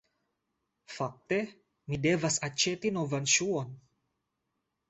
Fakte, mi devas aĉeti novan ŝuon